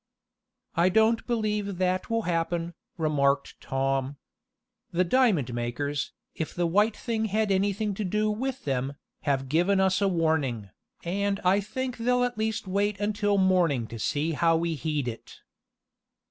"I don't believe that will happen," remarked Tom. "The diamond makers, if the white thing had anything to do with them, have given us a warning, and I think they'll at least wait until morning to see how we heed it."